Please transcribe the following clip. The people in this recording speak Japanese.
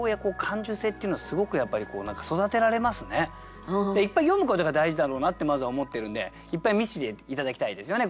すごい俳句っていっぱい読むことが大事だろうなってまずは思ってるんでいっぱい見せて頂きたいですよね